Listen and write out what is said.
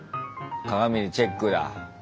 鏡でチェックだ。